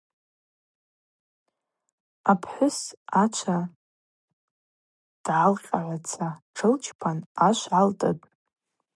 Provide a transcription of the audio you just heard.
Апхӏвыс ачва дгӏалкъьагӏваца тшылчпан ашв гӏалтӏытӏ.